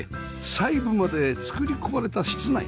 細部まで作り込まれた室内